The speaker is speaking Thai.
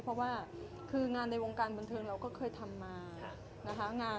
เพราะว่างานในวงการบนเทิงเราก็เคยทำมา